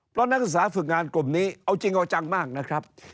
เพราะนักศึกษาฝึกงานกลุ่มนี้เอาจริงเอาจังมากนะครับ